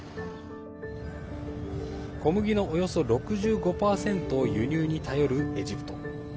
小麦のおよそ６５％を輸入に頼るエジプト。